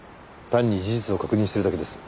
単に事実を確認してるだけです。